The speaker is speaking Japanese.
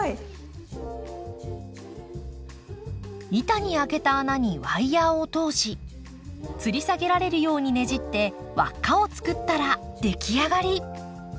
板に開けた穴にワイヤーを通しつり下げられるようにねじって輪っかを作ったら出来上がり。